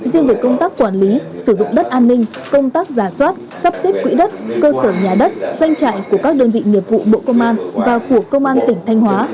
riêng về công tác quản lý sử dụng đất an ninh công tác giả soát sắp xếp quỹ đất cơ sở nhà đất doanh trại của các đơn vị nghiệp vụ bộ công an và của công an tỉnh thanh hóa